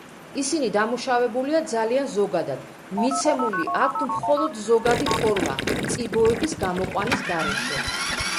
ისინი დამუშავებულია ძალიან ზოგადად, მიცემული აქვთ მხოლოდ ზოგადი ფორმა, წიბოების გამოყვანის გარეშე.